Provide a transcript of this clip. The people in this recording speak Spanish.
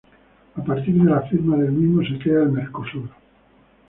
A partir de la firma del mismo, se crea el Mercosur.